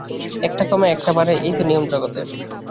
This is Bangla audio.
একটা কমে একটা বাড়ে, এই তো নিয়ম জগতের।